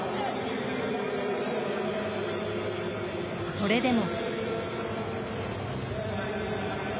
それでも。